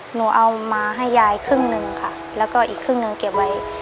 หนูเอามาให้ยายครึ่งหนึ่งค่ะแล้วก็อีกครึ่งหนึ่งเก็บไว้